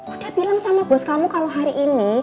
oke bilang sama bos kamu kalau hari ini